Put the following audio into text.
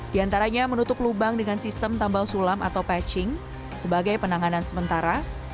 di antaranya menutup lubang dengan sistem tambal sulam atau patching sebagai penanganan sementara